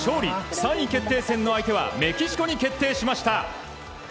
３位決定戦の相手はメキシコに決定しました。